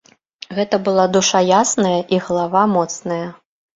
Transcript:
Гэта была душа ясная і галава моцная.